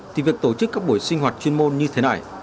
thì việc tổ chức các buổi sinh hoạt chuyên môn như thế này